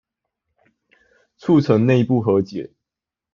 促成內部和解